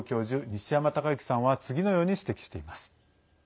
西山隆行さんは次のように指摘しています。